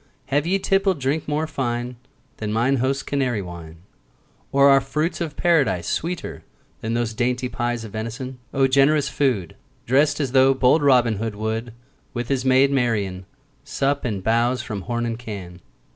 Have ye tippled drink more fine Than mine host's Canary wine? Or are fruits of Paradise Sweeter than those dainty pies Of venison? O generous food! Drest as though bold Robin Hood 10 Would, with his maid Marian, Sup and bowse from horn and can.